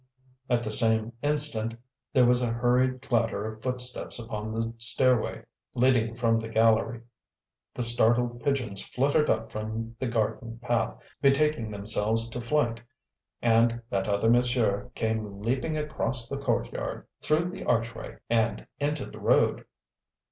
At the same instant there was a hurried clatter of foot steps upon the stairway leading from the gallery; the startled pigeons fluttered up from the garden path, betaking themselves to flight, and "that other monsieur" came leaping across the courtyard, through the archway and into the road.